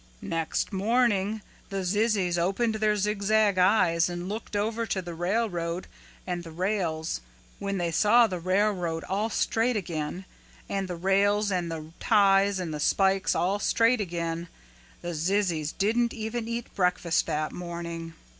"Next morning the zizzies opened their zigzag eyes and looked over to the railroad and the rails. When they saw the railroad all straight again, and the rails and the ties and the spikes all straight again, the zizzies didn't even eat breakfast that morning.